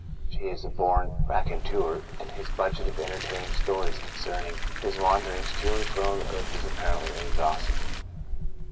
He is a born raconteur^ and his budget of entertaining stories concerning his wanderings to and fro in the earth is apparently inexhaustible.